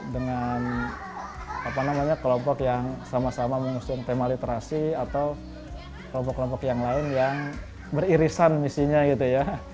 dengan kelompok yang sama sama mengusung tema literasi atau kelompok kelompok yang lain yang beririsan misinya gitu ya